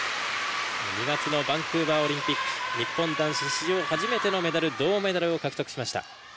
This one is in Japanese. ２月のバンクーバーオリンピック日本男子史上初めてのメダル銅メダルを獲得しました。